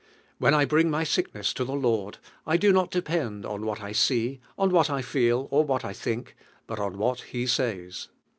When 1 bring my sickness to the Lord, I do not depend on what I see, on what 1 feel or what 1 think, but on what He says.